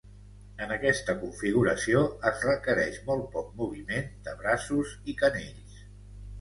En aquesta configuració, es requereix molt poc moviment de braços i canells.